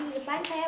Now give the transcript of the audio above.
pak kali depan saya